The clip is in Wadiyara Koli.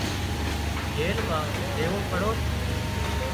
جيل مان ريوون پڙوت